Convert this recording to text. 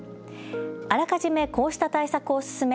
あらかじめこうした対策を進め